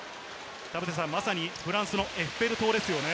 田臥さん、まさにフランスのエッフェル塔ですね。